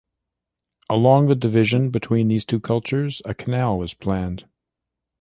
Along the division between these two cultures, a canal was planned.